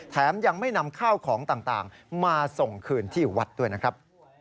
ยังไม่นำข้าวของต่างมาส่งคืนที่วัดด้วยนะครับ